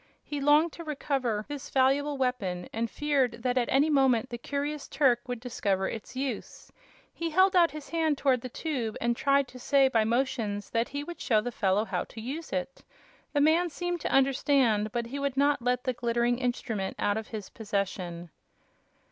He longed to recover this valuable weapon, and feared that at any moment the curious Turk would discover its use. He held out his hand toward the tube, and tried to say, by motions, that he would show the fellow how to use it. The man seemed to understand, by he would not let the glittering instrument out of his possession.